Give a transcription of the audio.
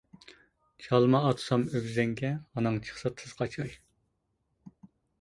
چالما ئاتسام ئۆگزەڭگە، ئاناڭ چىقسا تېز قاچاي.